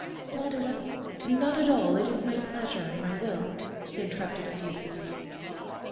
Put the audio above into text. "Not at all, not at all, it is my pleasure and my will," he interrupted effusively.